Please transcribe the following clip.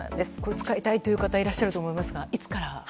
使いたいという方いると思いますがいつから？